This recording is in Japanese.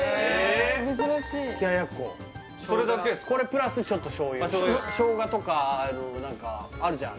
これプラスちょっとしょうゆショウガとか何かあるじゃん